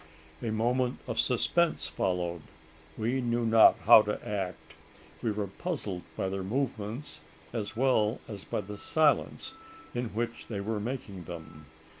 A moment of suspense followed. We knew not how to act: we were puzzled by their movements, as well as by the silence in which they were making them.